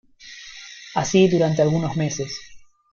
Así durante algunos meses.